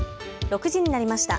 ６時になりました。